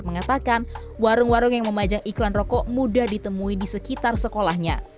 mengatakan warung warung yang memajang iklan rokok mudah ditemui di sekitar sekolahnya